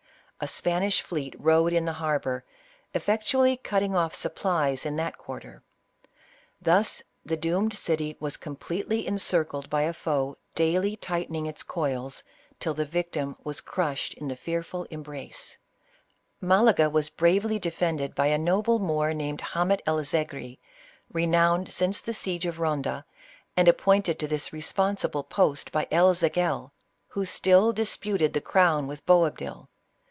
A Spanish fleet rode in the harbor, effectually cutting off supplies in that quarter. Thus the doomed city was completely encircled by a foe daily tightening its coils, till the vic tim was crushed in the fearful embrace. Malaga was 102 ISABELLA OF CASTILE. bravely defended by a noble Moor, named Hamet El Zegri, renowned since the siege of Eonda, and appoint ed to this responsible post by El Zagel, who still dis puted the crown with Boabdil.